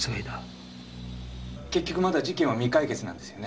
結局まだ事件は未解決なんですよね。